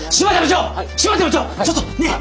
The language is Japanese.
ちょっとねえ！